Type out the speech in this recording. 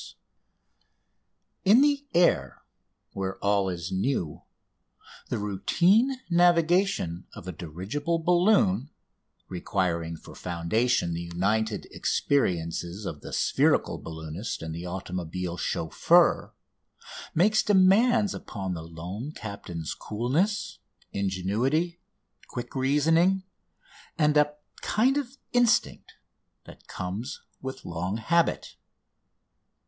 [Illustration: MEDAL AWARDED BY THE BRAZILIAN GOVERNMENT] In the air, where all is new, the routine navigation of a dirigible balloon, requiring for foundation the united experiences of the spherical balloonist and the automobile "chauffeur," makes demands upon the lone captain's coolness, ingenuity, quick reasoning, and a kind of instinct that comes with long habit.